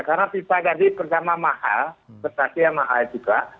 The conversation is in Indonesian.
karena pipa tadi pertama mahal berarti yang mahal juga